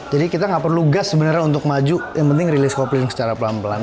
jadi kita nggak perlu gas sebenarnya untuk maju yang penting release kopling secara pelan pelan